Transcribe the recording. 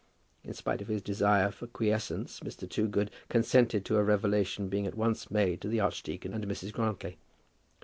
In spite of his desire for quiescence Mr. Toogood consented to a revelation being at once made to the archdeacon and Mrs. Grantly.